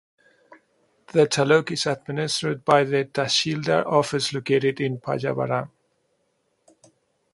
The taluk is administered by the Tahsildar office located in Pallavaram.